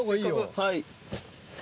はい。